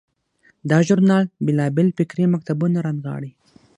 دا ژورنال بیلابیل فکري مکتبونه رانغاړي.